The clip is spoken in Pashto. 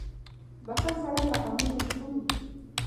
• بښل سړی له غمونو ژغوري.